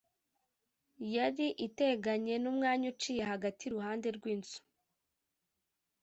Yari iteganye n umwanya uciye hagati iruhande rw inzu